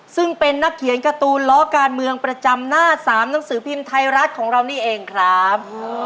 ซึ่งเป็นนักเขียนการ์ตูนล้อการเมืองประจำหน้า๓หนังสือพิมพ์ไทยรัฐของเรานี่เองครับ